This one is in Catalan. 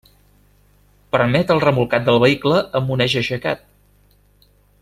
Permet el remolcat del vehicle amb un eix aixecat.